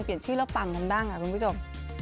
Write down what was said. แล้วปั่งกันบ้างคุณผู้ชม